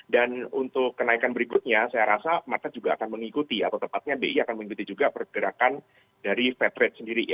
dan untuk kenaikan berikutnya saya rasa market juga akan mengikuti atau tepatnya bi akan mengikuti juga pergerakan dari fat rate sendiri